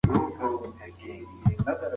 افغانانو په پاني پت کې ستره کارنامه وکړه.